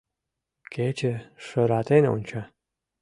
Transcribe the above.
Кече шыратен онча.